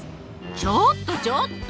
ちょっとちょっと！